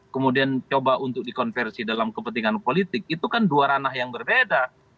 kemudian coba untuk dikonversi dalam kepentingan politik itu kan dua ranah yang berbeda